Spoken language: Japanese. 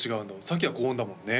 さっきは高音だもんね